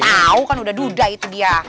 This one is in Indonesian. wow kan udah duda itu dia